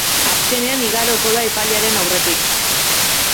Asteazkenean igaroko da epailearen aurretik.